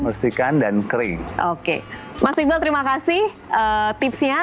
bersihkan dan kering oke mas iqbal terima kasih tipsnya